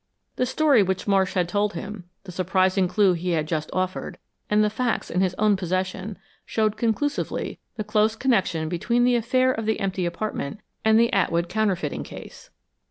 The story which Marsh had told him, the surprising clue he had just offered, and the facts in his own possession, showed conclusively the close connection between the affair of the empty apartment and the Atwood counterfeiting case.